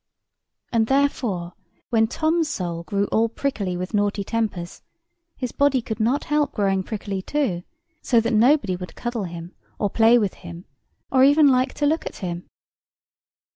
And therefore, when Tom's soul grew all prickly with naughty tempers, his body could not help growing prickly, too, so that nobody would cuddle him, or play with him, or even like to look at him.